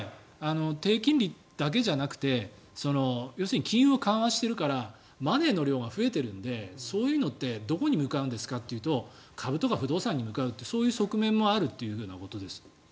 低金利だけじゃなくて要するに金融緩和しているからマネーの量が増えているのでそういうのってどこに向かうんですかというと株とか不動産に向かうとそういう側面もあるということです。